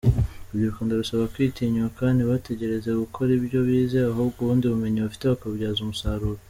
Urubyiruko ndarusaba kwitinyuka, ntibategereze gukora ibyo bize, ahubwo ubundi bumenyi bafite bakabubyaza umusaruro.